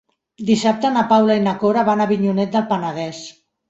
Dissabte na Paula i na Cora van a Avinyonet del Penedès.